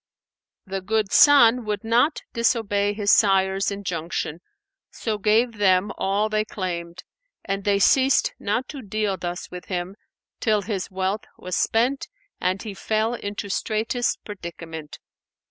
The good son would not disobey his sire's injunction, so gave them all they claimed; and they ceased not to deal thus with him, till his wealth was spent and he fell into straitest predicament.